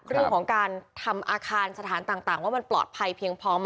เรื่องของการทำอาคารสถานต่างว่ามันปลอดภัยเพียงพอไหม